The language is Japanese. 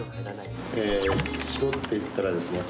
搾っていったらですね